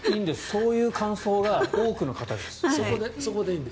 そういう感想が多くの方です。